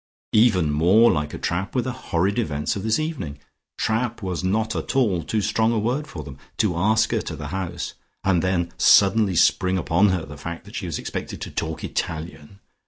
Even more like a trap were the horrid events of this evening. Trap was not at all too strong a word for them. To ask her to the house, and then suddenly spring upon her the fact that she was expected to talk Italian....